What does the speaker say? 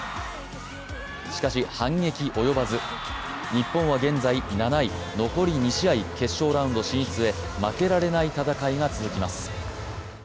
しかし、反撃及ばず日本は現在７位、残り２試合、決勝ラウンド進出へ負けられない戦いが続きます。